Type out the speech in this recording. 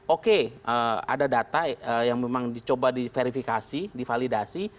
oke ada data yang memang dicoba diverifikasi divalidasi